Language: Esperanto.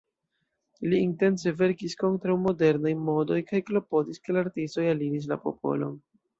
Li intence verkis kontraŭ modernaj modoj kaj klopodis ke la artistoj aliris la popolon.